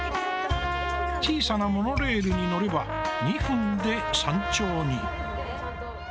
小さなモノレールに乗れば２分で山頂に。